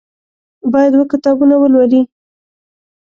باید اووه کتابونه ولولي.